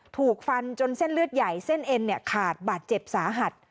ถูกฟันจนเส้นเลือดใหญ่เส้นเอ็นขาดบาดเจ็บสาหัส